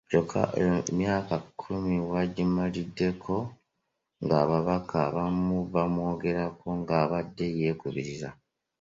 Kyokka emyaka kkumi w’agimaliddeko ng’ababaka abamu bamwogerako ng’abadde yeekubiira.